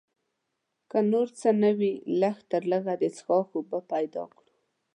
که نور څه نه وي لږ تر لږه د څښاک اوبه پیدا کړو.